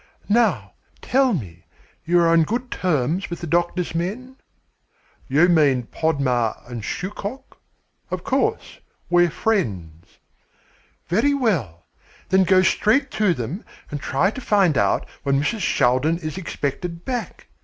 "Now, tell me, you are on good terms with the doctor's men?" "You mean Podmar and Shuchok? Of course, we're friends." "Very well, then go straight to them and try to find out when Mrs. Shaldin is expected back.